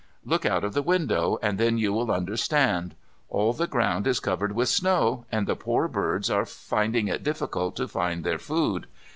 Look out of the window and then you will understand. All the ground is covered with snow, and the poor birds are finding it difficult to find their food.